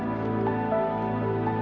nanti bu mau ke rumah